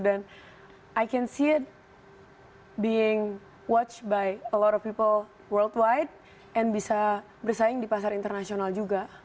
dan aku bisa melihatnya di luar negeri oleh banyak orang di seluruh dunia dan bisa bersaing di pasar internasional juga